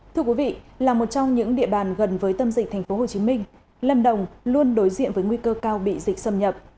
thưa quý vị là một trong những địa bàn gần với tâm dịch tp hcm lâm đồng luôn đối diện với nguy cơ cao bị dịch xâm nhập